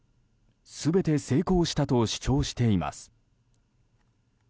全て成功したと主張しています。